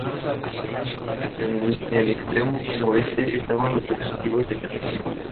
En el extremo oeste estaban los efectivos de Castillo.